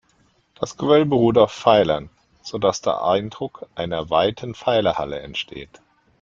Das Gewölbe ruht auf Pfeilern, so dass der Eindruck einer weiten Pfeilerhalle entsteht.